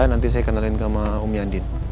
nanti saya kenalin sama om yandin